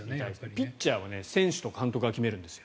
ピッチャーは選手と監督が決めるんですよ。